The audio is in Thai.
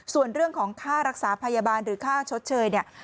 ส่วนเรื่องของค่ารักษาพยาบาลหรือค่าชดเชยเนี่ย